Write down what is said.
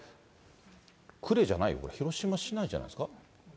呉じゃない、これ、広島市内じゃないですか。